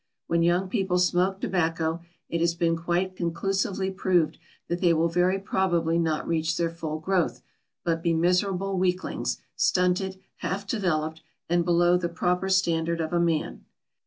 When young people smoke tobacco, it has been quite conclusively proved that they will very probably not reach their full growth, but be miserable weaklings, stunted, half developed, and below the proper standard of a man.